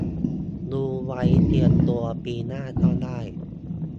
ดูไว้เตรียมตัวปีหน้าก็ได้